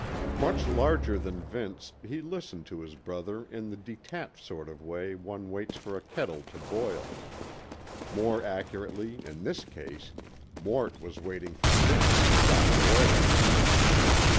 Much larger than Vince, he listened to his brother in the detached sort of way one waits for a kettle to boil. More accurately, in this case, Mort was waiting for Vince to stop boiling.